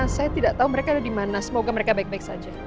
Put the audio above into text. saya tidak tahu mereka ada di mana semoga mereka baik baik saja